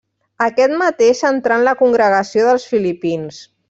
Aquest mateix entrà en la congregació dels filipins.